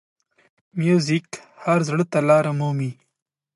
موزیک هر زړه ته لاره مومي.